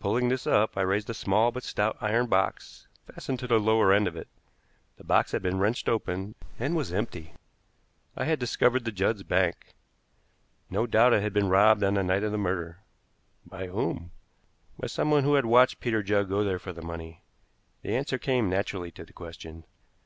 Pulling this up, I raised a small but stout iron box fastened to the lower end of it. The box had been wrenched open and was empty. I had discovered the Judds' bank. No doubt it had been robbed on the night of the murder. By whom? By someone who had watched Peter Judd go there for the money. The answer came naturally to the question.